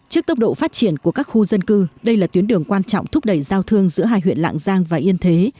trước tốc độ phát triển của các khu dân cư đây là tuyến đường quan trọng thúc đẩy giao thương giữa hai huyện lạng giang và yên thế